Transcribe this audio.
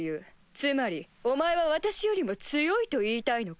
つまりお前は私よりも強いと言いたいのか？